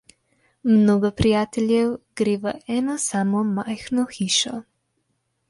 Mnogo prijateljev gre v eno samo majhno hišo.